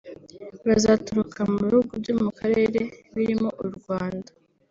bazaturuka mu bihugu byo mu Karere birimo u Rwanda